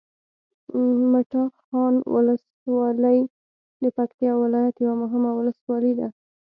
مټاخان ولسوالي د پکتیکا ولایت یوه مهمه ولسوالي ده